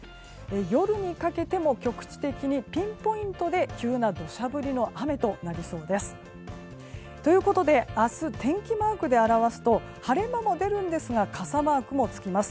夜にかけても局地的にピンポイントで急な土砂降りの雨となりそうです。ということで明日、天気マークで表すと晴れ間も出るんですが傘マークも付きます。